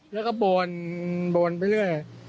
แล้วก็บนไปเรื่อย